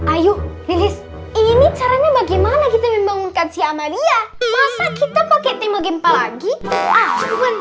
ayo ini caranya bagaimana kita membangunkan si amalia kita pakai tema gempa lagi ah